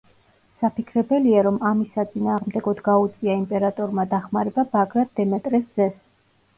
საფიქრებელია, რომ ამის საწინააღმდეგოდ გაუწია იმპერატორმა დახმარება ბაგრატ დემეტრეს ძეს.